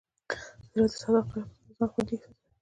زړه د صادقو خلکو سره ځان خوندي احساسوي.